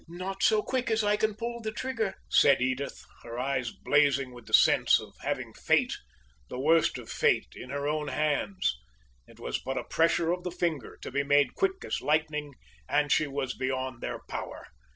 "Not so quick as I can pull the trigger!" said Edith her eyes blazing with the sense of having fate the worst of fate in her own hands; it was but a pressure of the finger, to be made quick as lightning, and she was beyond their power!